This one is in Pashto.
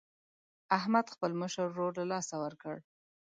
احمد خپل مشر ورور له لاسه ورکړ.